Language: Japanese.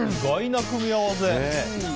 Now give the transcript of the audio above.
意外な組み合わせ。